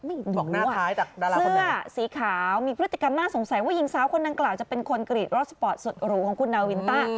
อืมอืมอืมอืมอืม